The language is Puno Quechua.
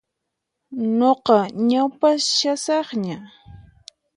Nuqa ñaupashasaqña.